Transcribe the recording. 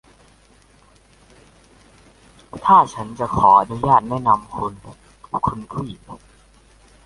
ถ้าฉันจะขออนุญาตแนะนำคุณ คุณผู้หญิง